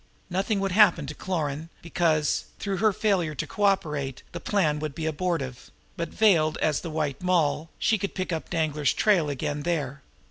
Nothing would happen to Cloran, because, through her failure to cooperate, the plan would be abortive; but, veiled, as the White Moll, she could pick up Danglar's trail again there.